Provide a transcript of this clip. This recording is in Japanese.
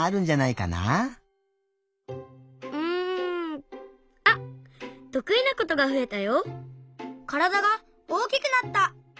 からだが大きくなった！